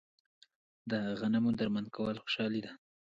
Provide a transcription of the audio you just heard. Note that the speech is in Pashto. د غنمو درمند کول خوشحالي ده.